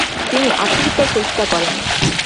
তিনি আত্মহত্যার চেষ্টা করেন।